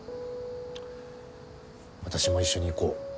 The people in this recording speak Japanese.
私も一緒に行こう。